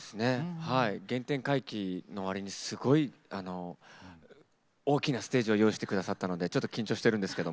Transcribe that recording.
原点回帰のわりにすごく大きなステージを用意してくださったんでちょっと緊張してるんですけど。